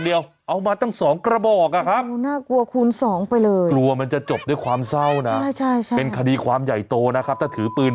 เฮ้ยสุภาษาลาหิวเหรอ